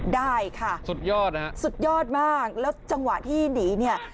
ได้ค่ะสุดยอดนะฮะสุดยอดมากแล้วจังหวะที่หนีเนี่ย